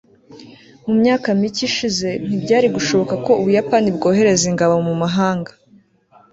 mu myaka mike ishize ntibyari gushoboka ko ubuyapani bwohereza ingabo mumahanga